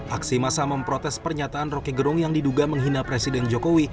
aksi masa memprotes pernyataan roky gerung yang diduga menghina presiden jokowi